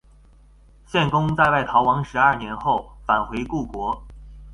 献公在外逃亡十二年后返回故国。